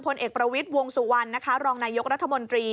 พลเอกปฤศวงศ์สุวรรณรองนายกรัฐมนตรี